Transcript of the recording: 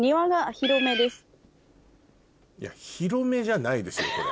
広めじゃないですよこれ。